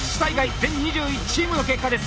全２１チームの結果です。